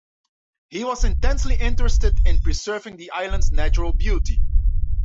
He was intensely interested in preserving the island's natural beauty.